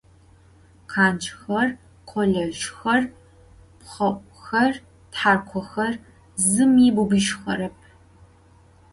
Khancxer, kholezjxer, pxheu'uxer, tharkhoxer zımi bıbıjxerep.